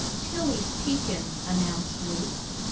"Tilly's peekin'," announced Luke.